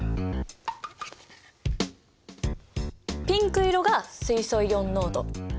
ピンク色が水素イオン濃度。